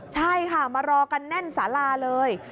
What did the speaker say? ใช่ค่ะมารอกันแน่นสาราเลย